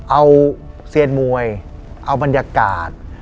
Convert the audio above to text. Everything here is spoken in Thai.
เอาเซียนมวยเอาบรรยากาศ